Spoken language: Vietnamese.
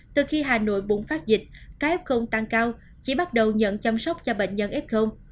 từ khi hà nội bùng phát dịch cái f tăng cao chỉ bắt đầu nhận chăm sóc cho bệnh nhân f